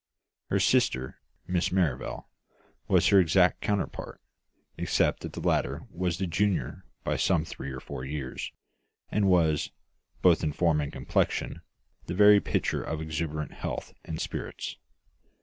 Her sister, Miss Merrivale, was her exact counterpart, except that the latter was the junior by some three or four years, and was, both in form and complexion, the very picture of exuberant health and spirits.